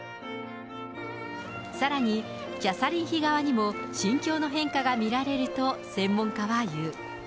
さらに、キャサリン妃側にも心境の変化が見られると専門家は言う。